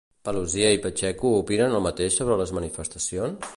Paluzie i Pacheco opinen el mateix sobre les manifestacions?